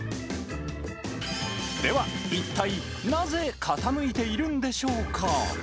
では、一体なぜ傾いているんでしょうか。